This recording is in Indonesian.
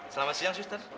selamat siang suster